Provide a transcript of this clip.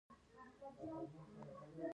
متلونه څنګه جوړ شوي؟